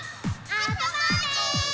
あそぼうね！